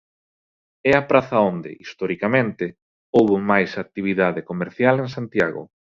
É a praza onde, historicamente, houbo máis actividade comercial en Santiago.